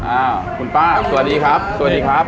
อ้าวคุณป้าสวัสดีครับสวัสดีครับ